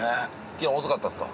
昨日遅かったですか？